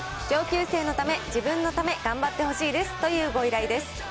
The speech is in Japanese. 上級生のため、自分のため、頑張ってほしいですというご依頼です。